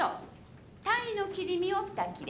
鯛の切り身を２切れ。